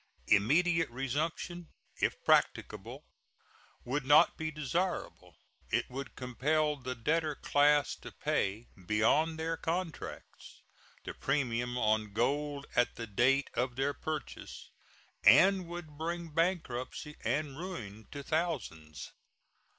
Immediate resumption, if practicable, would not be desirable. It would compel the debtor class to pay, beyond their contracts, the premium on gold at the date of their purchase, and would bring bankruptcy and ruin to thousands.